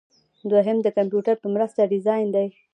دوهم د کمپیوټر په مرسته ډیزاین دی.